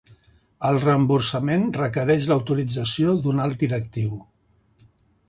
El reemborsament requereix l'autorització d'un alt directiu.